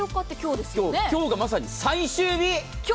今日がまさに最終日！